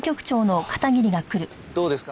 どうですか？